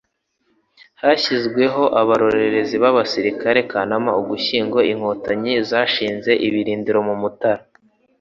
hashyirwaho Abarorerezi b'abasirikari. Kanama–Ugushyingo, Inkotanyi zashinze ibirindiro mu Mutara,